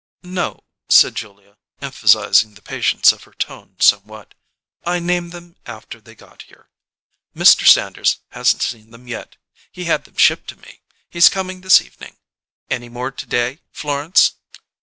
"No," said Julia, emphasizing the patience of her tone somewhat. "I named them after they got here. Mr. Sanders hasn't seen them yet. He had them shipped to me. He's coming this evening. Anything more to day, Florence?"